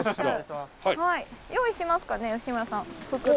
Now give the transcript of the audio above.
用意しますかね日村さん服。